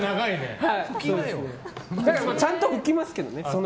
だからちゃんと拭きますけどね。